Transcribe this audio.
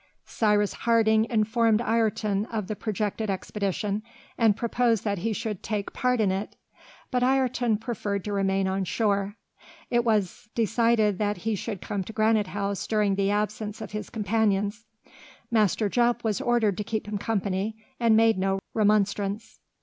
Cyrus Harding informed Ayrton of the projected expedition, and proposed that he should take part in it; but Ayrton preferring to remain on shore, it was decided that he should come to Granite House during the absence of his companions. Master Jup was ordered to keep him company, and made no remonstrance.